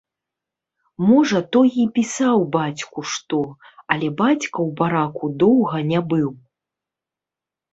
Можа, той і пісаў бацьку што, але бацька ў бараку доўга не быў.